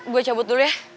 gue cabut dulu ya